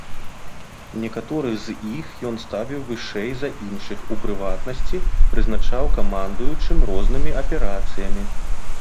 Некаторых з іх ён ставіў вышэй за іншых, у прыватнасці, прызначаў камандуючым рознымі аперацыямі.